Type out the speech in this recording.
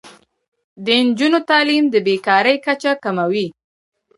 د نجونو تعلیم د بې کارۍ کچه کموي.